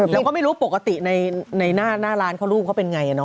แล้วก็ไม่รู้ปกติในหน้าร้านเขารูปเขาเป็นอย่างไร